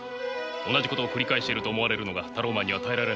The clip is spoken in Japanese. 同じことを繰り返していると思われるのがタローマンには耐えられないんです。